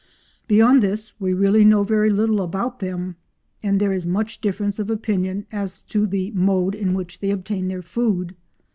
Beyond this we really know very little about them, and there is much difference of opinion as to the mode in which they obtain their food.